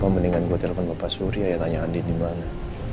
apa mendingan gue telepon bapak surya ya tanya andi dimana